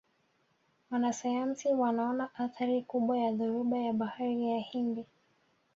wanasayansi wanaona athari kubwa ya dhoruba ya bahari ya hindi